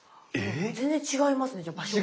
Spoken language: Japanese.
全然違いますねじゃ場所が。